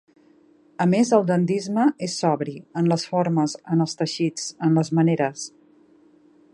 A més el dandisme és sobri, en les formes, en els teixits, en les maneres.